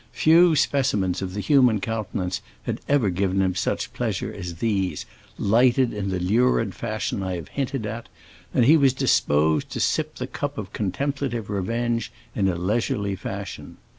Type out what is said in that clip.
Few specimens of the human countenance had ever given him such pleasure as these, lighted in the lurid fashion I have hinted at, and he was disposed to sip the cup of contemplative revenge in a leisurely fashion.